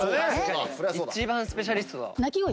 一番スペシャリストだ。